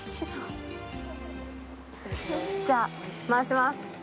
じゃあ回します。